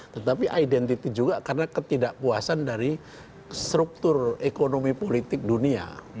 tetapi identity juga karena ketidakpuasan dari struktur ekonomi politik dunia